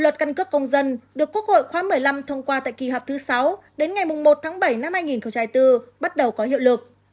luật căn cước công dân được quốc hội khóa một mươi năm thông qua tại kỳ họp thứ sáu đến ngày một tháng bảy năm hai nghìn hai mươi bốn bắt đầu có hiệu lực